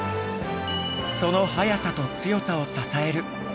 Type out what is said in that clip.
その速さと強さを支える愛